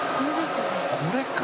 これか。